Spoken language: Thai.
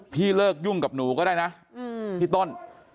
พี่เลิกยุ่งกับหนูก็ได้นะพี่ต้น